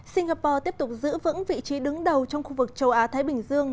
singapore tiếp tục giữ vững vị trí đứng đầu trong khu vực châu á thái bình dương